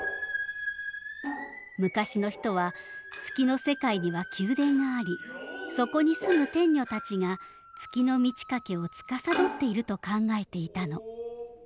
昔の人は月の世界には宮殿がありそこに住む天女たちが月の満ち欠けをつかさどっていると考えていたの。